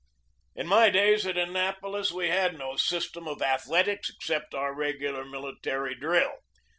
In my day at Annapolis we had no system of athletics except our regular military drill.